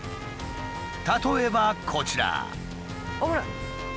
例えばこちら。